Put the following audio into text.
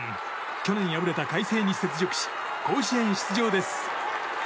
去年敗れた海星に雪辱し甲子園出場です。